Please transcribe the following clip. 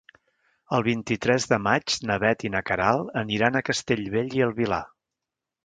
El vint-i-tres de maig na Bet i na Queralt aniran a Castellbell i el Vilar.